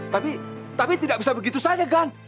tapi tapi tidak bisa begitu saja kan